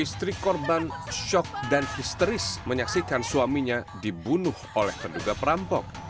istri korban shock dan histeris menyaksikan suaminya dibunuh oleh penduga perampok